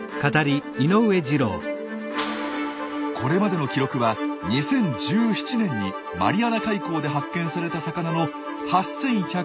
これまでの記録は２０１７年にマリアナ海溝で発見された魚の８１７８ｍ。